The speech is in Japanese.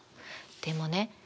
でもね